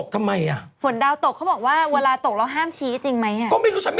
ทำไมอ่ะไม่รู้ฉันตื่อ